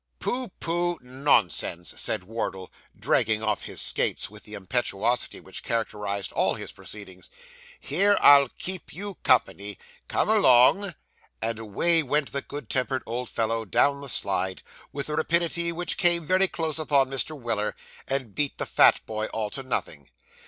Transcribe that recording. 'Pooh! pooh! Nonsense!' said Wardle, dragging off his skates with the impetuosity which characterised all his proceedings. 'Here; I'll keep you company; come along!' And away went the good tempered old fellow down the slide, with a rapidity which came very close upon Mr. Weller, and beat the fat boy all to nothing.